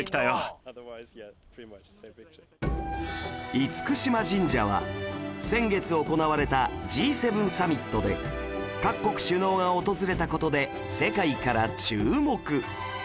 嚴島神社は先月行われた Ｇ７ サミットで各国首脳が訪れた事で世界から注目